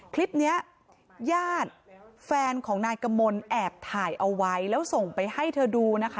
คลิปนี้ญาติแฟนของนายกมลแอบถ่ายเอาไว้แล้วส่งไปให้เธอดูนะคะ